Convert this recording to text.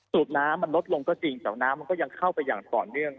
น้ำมันลดลงก็จริงแต่น้ำมันก็ยังเข้าไปอย่างต่อเนื่อง